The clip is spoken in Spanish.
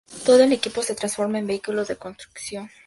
Todo el equipo se transforma en vehículos de construcción.